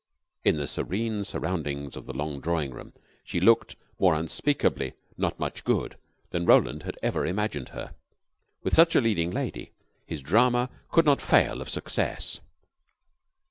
In the serene surroundings of the long drawing room, she looked more unspeakably "not much good" than Roland had ever imagined her. With such a leading lady, his drama could not fail of success.